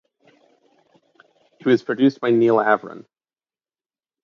It was produced by Neal Avron.